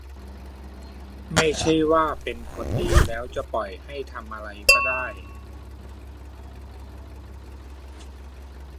ไม่ใช่ว่า "เป็นคนดี" แล้วจะปล่อยให้ทำอะไรก็ได้